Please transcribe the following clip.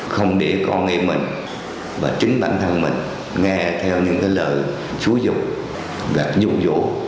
không để con em mình và chính bản thân mình nghe theo những cái lời chú dục và nhu vụ